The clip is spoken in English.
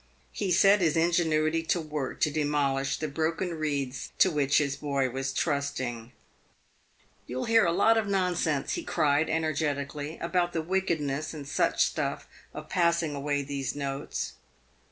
He set his ingenuity to work to demolish the broken reeds to which his boy was trusting. " You will hear a lot of nonsense," he cried, energetically, " about the wickedness and such stuff of passing away these notes.